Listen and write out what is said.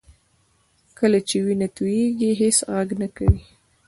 کله چې وینه تویېږي هېڅ غږ نه کوي